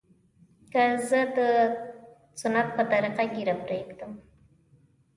که زه د سنت په طريقه ږيره پرېږدم.